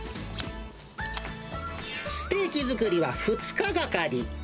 ステーキ作りは２日がかり。